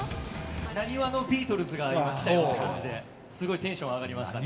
なにわのビートルズが来たよという感じで、すごいテンション上がりましたね。